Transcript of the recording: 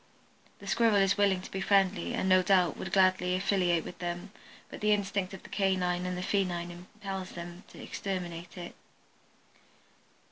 The Squirrel is willing to be friendly, and no doubt would gladly affiliate with them, but the instinct of the canine and the feline impels them to exterminate it.